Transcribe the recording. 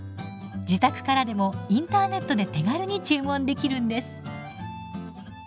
自宅からでもインターネットで手軽に注文できるんです。